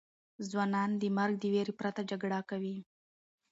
ځوانان د مرګ د ویرې پرته جګړه کوي.